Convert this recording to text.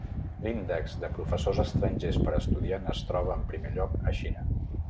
L'índex de professors estrangers per estudiant es troba en primer lloc a Xina.